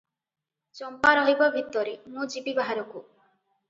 ଚମ୍ପା ରହିବ ଭିତରେ, ମୁଁ ଯିବି ବାହାରକୁ!